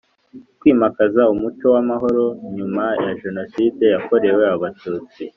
kwimakaza umuco w amahoro nyuma ya Jenoside yakorewe Abatutsi